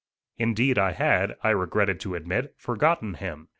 Indeed, I had, I regretted to admit, forgotten him.